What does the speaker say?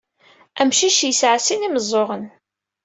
Amcic yesɛa sin n yimeẓẓuɣen.